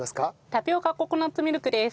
タピオカココナッツミルクです。